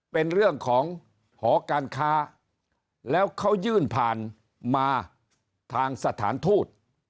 เป็นเรื่องของหอการค้าแล้วเขายื่นผ่านมาทางสถานทูต